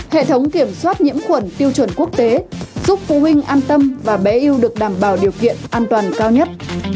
hệ thống kiểm soát nhiễm khuẩn tiêu chuẩn quốc tế giúp phụ huynh an tâm và bé yêu được đảm bảo điều kiện an toàn cao nhất